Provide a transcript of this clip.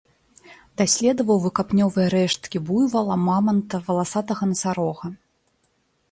Даследаваў выкапнёвыя рэшткі буйвала, маманта, валасатага насарога.